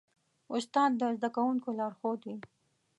استاد د زدهکوونکو لارښود وي.